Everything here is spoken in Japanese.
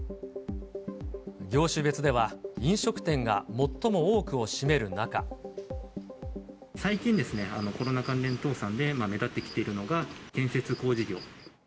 業種別では、最近、コロナ関連倒産で目立ってきているのが、建設・工事業。